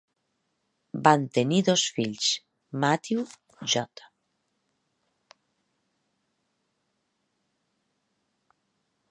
Van tenir dos fills: Matthew J.